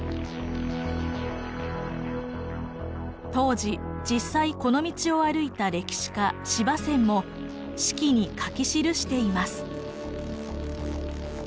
当時実際この道を歩いた歴史家司馬遷も「史記」に書き記しています。